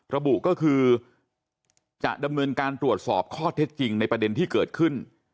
ระบุก็คือจะดำเนินการตรวจสอบข้อเท็จจริงในประเด็นที่เกิดขึ้น